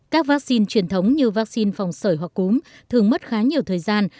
các vaccine truyền thống như vaccine phòng sởi hoặc cúm thường mất khá nhiều thời gian